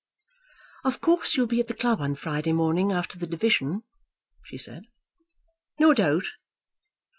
"Of course you'll be at the club on Friday morning after the division," she said. "No doubt."